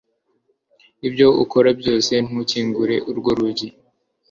Ibyo ukora byose ntukingure urwo rugi